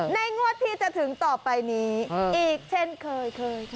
ในงวดที่จะถึงต่อไปอีกเช่นเคย